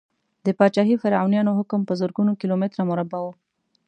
د پاچاهي فرعونیانو حکم په زرګونو کیلو متره مربع و.